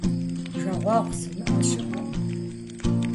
Жагъуэгъу зимыӏэ щыӏэкъым.